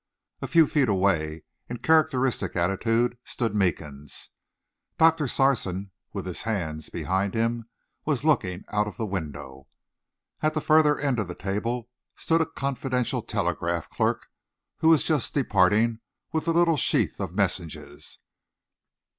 A few feet away, in characteristic attitude, stood Meekins. Doctor Sarson, with his hands behind him, was looking out of the window. At the further end of the table stood a confidential telegraph clerk, who was just departing with a little sheaf of messages.